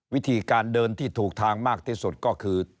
วิธีการเดินที่ถูกทางมากที่สุดก็คือ